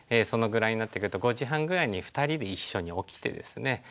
そのぐらいになってくると５時半ぐらいに２人で一緒に起きてですね。